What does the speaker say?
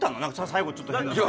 最後ちょっと変な感じ。